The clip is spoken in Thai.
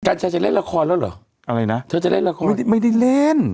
ัญชัยจะเล่นละครแล้วเหรออะไรนะเธอจะเล่นละครไม่ได้ไม่ได้เล่น